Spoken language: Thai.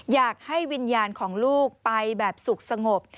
อยากให้วิญญาณของลูกไปแบบสุขสงบ